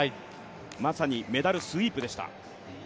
まさにメダルスイープでした。